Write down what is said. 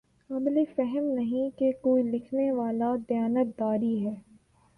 قابل فہم نہیں کہ کوئی لکھنے والا دیانت داری کے